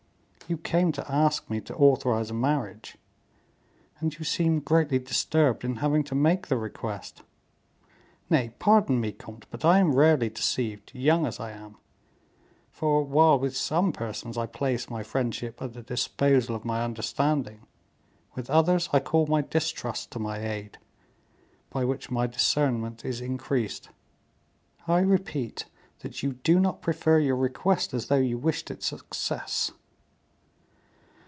You came to ask me to authorize a marriage, and you seem greatly disturbed in having to make the request. Nay, pardon me, comte, but I am rarely deceived, young as I am; for while with some persons I place my friendship at the disposal of my understanding, with others I call my distrust to my aid, by which my discernment is increased. I repeat, that you do not prefer your request as though you wished it success."